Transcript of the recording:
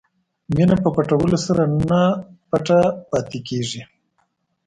مینه په پټولو سره نه پټه پاتې کېږي.